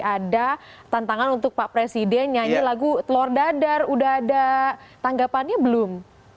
ada tantangan untuk pak presiden nyanyi lagu telur dadar udah ada tanggapannya belum